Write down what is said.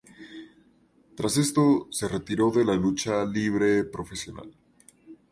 Tras esto, se retiró de la lucha libre profesional.